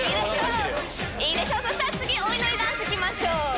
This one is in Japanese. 次お祈りダンスいきましょう！